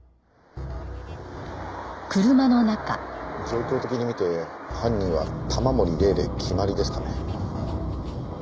状況的に見て犯人は玉森玲で決まりですかね？